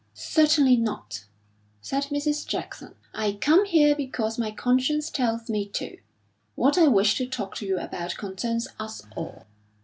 "Certainly not!" said Mrs. Jackson. "I come here because my conscience tells me to. What I wish to talk to you about concerns us all."